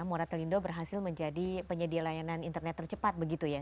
moratelindo berhasil menjadi penyedia layanan internet tercepat begitu ya